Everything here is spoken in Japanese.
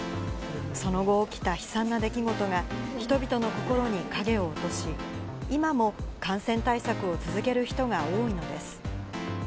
その後、起きた悲惨な出来事が、人々の心に影を落とし、今も感染対策を続ける人が多いのです。